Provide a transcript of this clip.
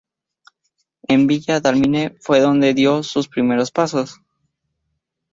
En Villa Dálmine fue donde dio sus primeros pasos.